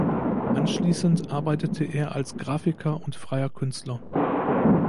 Anschließend arbeitete er als Grafiker und freier Künstler.